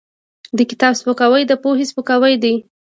د کتاب سپکاوی د پوهې سپکاوی دی.